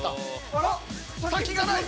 あ、先がない。